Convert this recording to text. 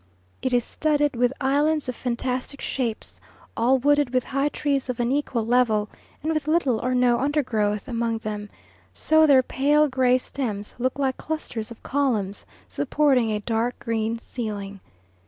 It is studded with islands of fantastic shapes, all wooded with high trees of an equal level, and with little or no undergrowth among them, so their pale gray stems look like clusters of columns supporting a dark green ceiling.